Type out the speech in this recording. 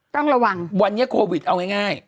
ต้องระวังวันนี้โควิดเอาง่าย